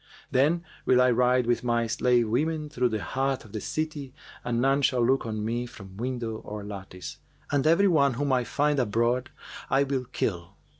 Then will I ride with my slave women through the heart of the city and none shall look on me from window or lattice; and every one whom I find abroad I will kill.'